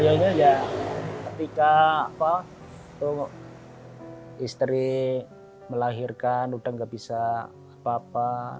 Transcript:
loyonya ya ketika istri melahirkan udah nggak bisa apa apa